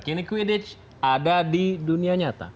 kini quidage ada di dunia nyata